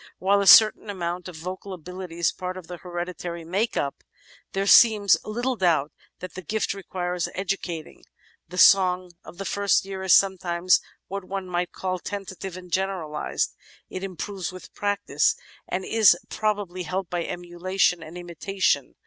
While a certain amount of vocal ability is part of the hereditary make up, there seems little doubt that the gift requires educating. The song of the first year is sometimes what one might call tentative and generalised. It improves with practice and is probably helped by emulation and imitation.